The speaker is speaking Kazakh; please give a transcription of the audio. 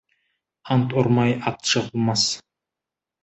Ант ұрмай ат жығылмас.